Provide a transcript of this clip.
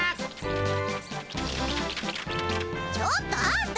ちょっとあんた！